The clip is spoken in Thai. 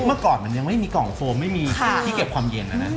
เมื่อก่อนมันยังไม่มีกล่องโฟมไม่มีที่เก็บความเย็นแล้วนะ